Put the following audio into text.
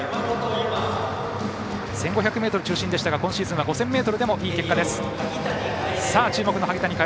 １５００ｍ中心でしたが今シーズンは５０００ｍでもいい結果、山本。